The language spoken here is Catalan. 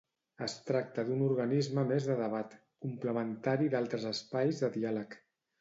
Es tracta d'un organisme més de debat, complementari d'altres espais de diàleg.